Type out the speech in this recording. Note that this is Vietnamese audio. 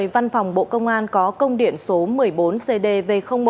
văn phòng bộ công an có công điện số một mươi bốn cdv một